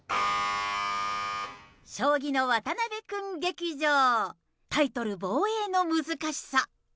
将棋の渡辺くん劇場、タイトル防衛の難しさ。